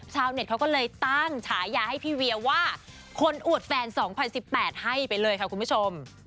ชาวเน็ตเขาก็เลยตั้งฉายาให้พี่เวียว่าคนอวดแฟน๒๐๑๘ให้ไปเลยค่ะคุณผู้ชม